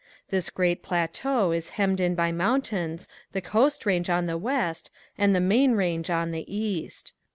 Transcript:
This great plateau is hemmed in by mountains, the coast range on the west and the main range on the east.